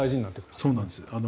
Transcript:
そうなんです。